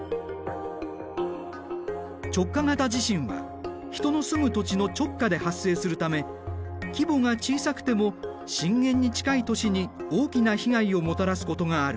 直下型地震は人の住む土地の直下で発生するため規模が小さくても震源に近い都市に大きな被害をもたらすことがある。